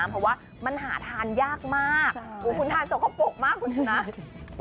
เพราะว่ามันหาทานยากมากคุณทานสกปรกมากคุณชนะ